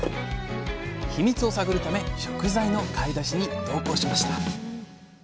ヒミツを探るため食材の買い出しに同行しました。